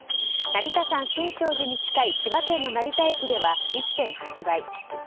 成田山新勝寺に近い千葉県の成田駅では１．８倍。